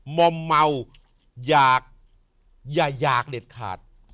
หม่อมเมาอย่าอยากเด็ดขาด